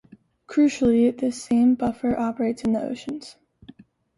Crucially, this same buffer operates in the oceans.